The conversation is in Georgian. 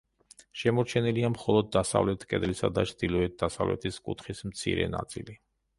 შემორჩენილია მხოლოდ დასავლეთ კედლისა და ჩრდილოეთ-დასავლეთის კუთხის მცირე ნაწილი.